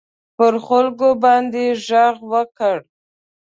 پر خلکو باندي ږغ وکړ.